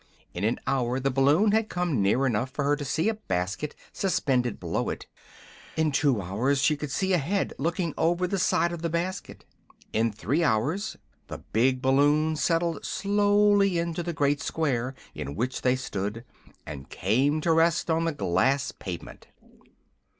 In an hour the balloon had come near enough for her to see a basket suspended below it; in two hours she could see a head looking over the side of the basket; in three hours the big balloon settled slowly into the great square in which they stood and came to rest on the glass pavement.